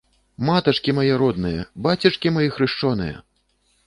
Матачкі мае родныя, бацечкі мае хрышчоныя!